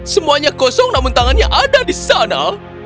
semuanya kosong namun tangannya ada di sana